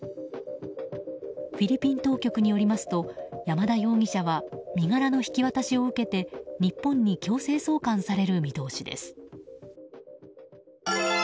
フィリピン当局によりますと山田容疑者は身柄の引き渡しを受けて日本に強制送還される見通しです。